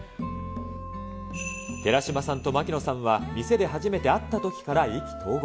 寺島さんと槙野さんは店で初めて会ったときから意気投合。